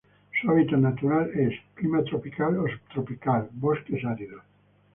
Su hábitat natural es: Clima tropical o subtropical, bosques áridos.